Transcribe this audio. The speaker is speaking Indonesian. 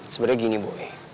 sebenernya gini boy